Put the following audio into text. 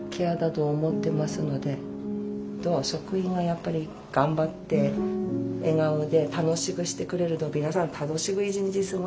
あとは職員がやっぱり頑張って笑顔で楽しくしてくれると皆さん楽しく一日過ごせるんですよね。